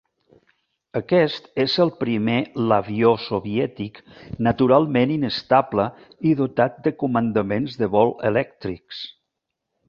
Aquest és el primer l'avió soviètic naturalment inestable i dotat de comandaments de vol elèctrics.